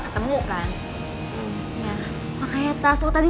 kita harus cepet cepet pergi dari sini